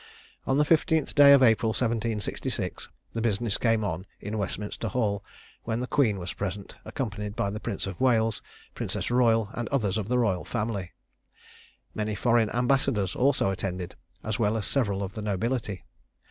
On the 15th day of April, 1766, the business came on in Westminster hall, when the queen was present, accompanied by the prince of Wales, princess royal, and others of the royal family. Many foreign ambassadors also attended, as well as several of the nobility.